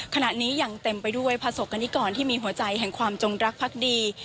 ขณะนี้ยังเต็มไปด้วยประสบกรณิกรที่มีหัวใจแห่งความจงรักพักดี